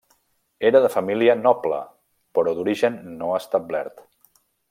Era de família noble, però d'origen no establert.